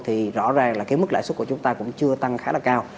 thì rõ ràng là cái mức lãi suất của chúng ta cũng chưa tăng khá là cao